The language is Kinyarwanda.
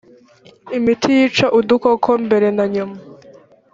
imiti yica udukoko mbere na nyuma